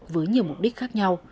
với nhiều mục đích khác nhau